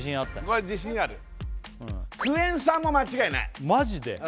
これ自信あるクエン酸も間違いないマジで？